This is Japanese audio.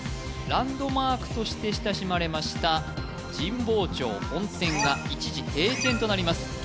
ランドマークとして親しまれました神保町本店が一時閉店となります